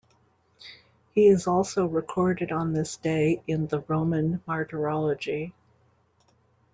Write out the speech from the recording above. He is also recorded on this day in the Roman Martyrology.